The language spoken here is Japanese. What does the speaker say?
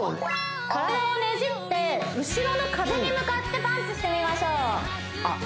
体をねじって後ろの壁に向かってパンチしてみましょうあっ